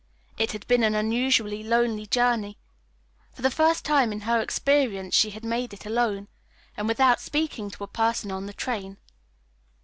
It had been an unusually lonely journey. For the first time in her experience she had made it alone, and without speaking to a person on the train.